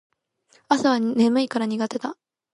朝は眠いから苦手だ